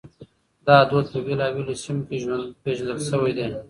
دا دود په بېلابېلو سيمو کې پېژندل شوی دی.